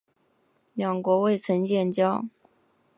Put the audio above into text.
两国未曾建交。